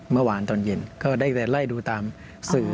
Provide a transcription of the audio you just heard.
เมื่อวานตอนเย็นก็ได้แต่ไล่ดูตามสื่อ